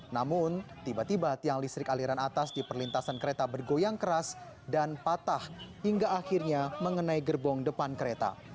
namun tiba tiba tiang listrik aliran atas di perlintasan kereta bergoyang keras dan patah hingga akhirnya mengenai gerbong depan kereta